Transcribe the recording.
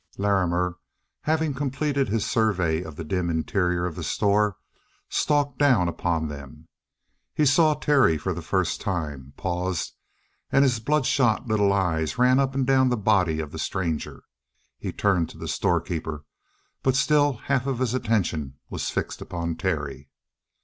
Larrimer, having completed his survey of the dim interior of the store, stalked down upon them. He saw Terry for the first time, paused, and his bloodshot little eyes ran up and down the body of the stranger. He turned to the storekeeper, but still half of his attention was fixed upon Terry.